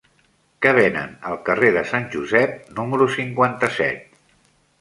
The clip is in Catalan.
Què venen al carrer de Sant Josep número cinquanta-set?